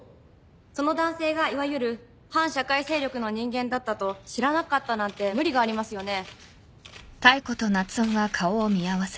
その男性がいわゆる反社会勢力の人間だったと知らなかったなんて無理がありますよね？